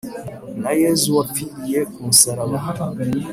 Na Yezu wapfiriye ku musaraba